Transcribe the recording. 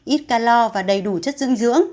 ít calor và đầy đủ chất dưỡng dưỡng